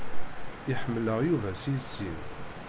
Iḥemmel-aɣ Yuba seg sin.